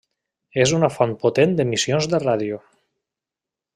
És una font potent d'emissions de ràdio.